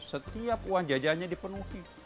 setiap uang jajannya dipenuhi